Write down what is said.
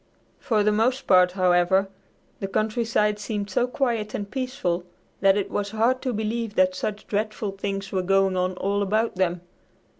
For the most part, however, the countryside seemed so quiet and peaceful that it was hard to believe that such dreadful things were going on all about them.